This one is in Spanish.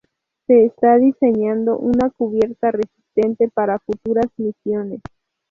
Se está diseñando una cubierta resistente para futuras misiones.